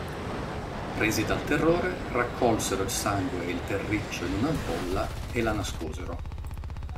Presi dal terrore, raccolsero il sangue e il terriccio in un’ampolla e la nascosero.